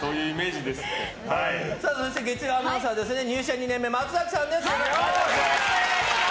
そして、月曜アナウンサー入社２年目、松崎さんです！